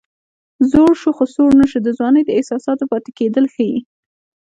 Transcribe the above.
زوړ شو خو سوړ نه شو د ځوانۍ د احساساتو پاتې کېدل ښيي